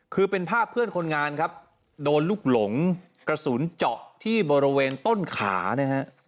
คือเป็นภาพเพื่อนคนงานครับโดนลูกหลงกระสุนเจาะที่บริเวณต้นขานะฮะ